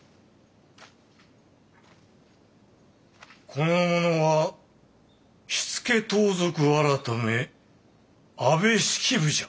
この者は火付盗賊改安部式部じゃ。